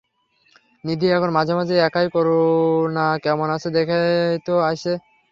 নিধি এখন মাঝে মাঝে প্রায়ই করুণা কেমন আছে দেখিতে আইসে।